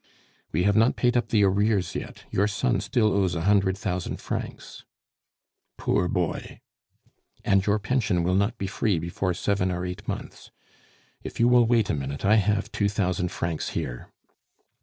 "We have not paid up the arrears yet; your son still owes a hundred thousand francs." "Poor boy!" "And your pension will not be free before seven or eight months. If you will wait a minute, I have two thousand francs here."